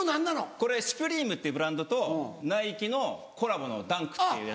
これシュプリームっていうブランドとナイキのコラボのダンクっていうやつなんですけど。